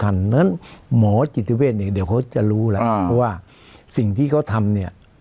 เพราะฉะนั้นหมอจิตเวทเองเดี๋ยวเขาจะรู้แล้วเพราะว่าสิ่งที่เขาทำเนี่ย